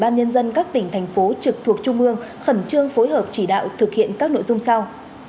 bộ y tế đề nghị chủ tịch ubnd các tỉnh thành phố trực thuộc trung ương khẩn trương phối hợp chỉ đạo thực hiện các nội dung sau